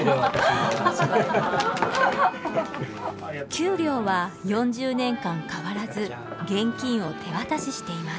給料は４０年間変わらず現金を手渡ししています。